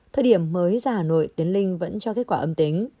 thời điểm mới ra hà nội tiến linh vẫn cho kết quả âm tính